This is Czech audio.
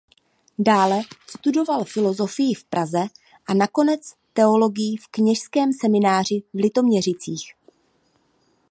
Dále studoval filozofii v Praze a nakonec teologii v kněžském semináři v Litoměřicích.